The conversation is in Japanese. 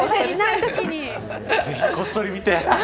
ぜひこっそり見て。